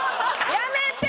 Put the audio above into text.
やめて！